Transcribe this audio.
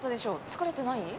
疲れてない？